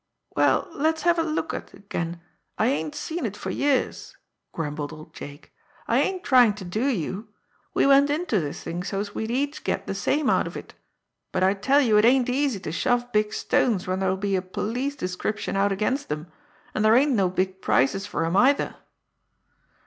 "Well, let's have a look at it then; I ain't seen it for years," grumbled old Jake. "I ain't trying to do you. We went into this thing so's we'd each get the same out of it; but I tell you it ain't easy to shove big stones when there'll be a police description out against them, and there ain't no big prices for 'em, either."